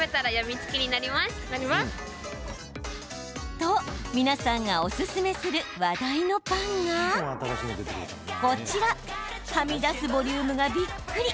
と、皆さんがおすすめする話題のパンがこちら、はみ出すボリュームがびっくり！